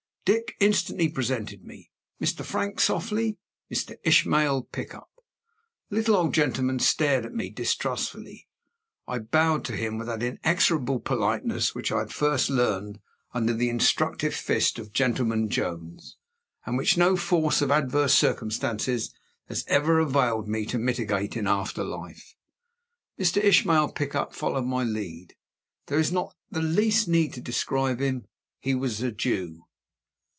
Dick instantly presented me: "Mr. Frank Softly Mr. Ishmael Pickup." The little old gentleman stared at me distrustfully. I bowed to him with that inexorable politeness which I first learned under the instructive fist of Gentleman Jones, and which no force of adverse circumstances has ever availed to mitigate in after life. Mr. Ishmael Pickup followed my lead. There is not the least need to describe him he was a Jew.